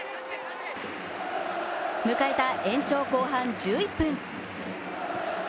迎えた延長後半１１分。